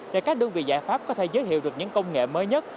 để các đơn vị giải pháp có thể giới thiệu được những công nghệ mới nhất